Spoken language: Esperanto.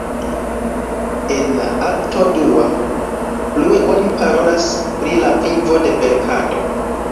En la akto dua, plue oni parolas pri la vivo de verkado.